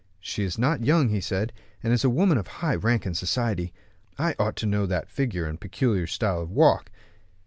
"She is not young," he said, "and is a woman of high rank in society. I ought to know that figure and peculiar style of walk."